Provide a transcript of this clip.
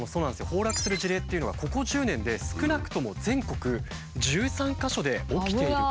崩落する事例っていうのがここ１０年で少なくとも全国１３か所で起きていることが分かったんです。